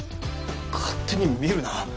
勝手に見るな。